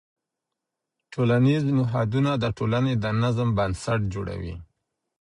ټولنیز نهادونه د ټولنې د نظم بنسټ جوړوي.